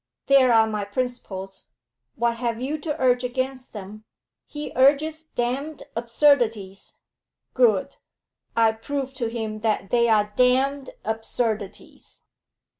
There are my principles; what have you to urge against them? He urges damned absurdities. Good; I prove to him that they are damned absurdities.'